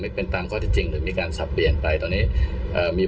ไม่เป็นตามข้อที่จริงหรือมีการสับเปลี่ยนไปตอนนี้มี